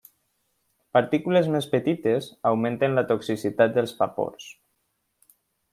Partícules més petites augmenten la toxicitat dels vapors.